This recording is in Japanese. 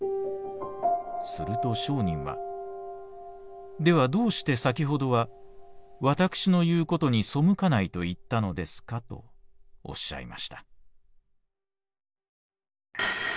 すると聖人は『ではどうして先ほどは私の言うことに背かないと言ったのですか』とおっしゃいました」。